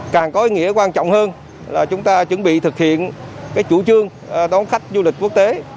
càng có ý nghĩa quan trọng hơn là chúng ta chuẩn bị thực hiện cái chủ trương đón khách du lịch quốc tế